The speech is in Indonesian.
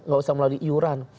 gak usah melalui iuran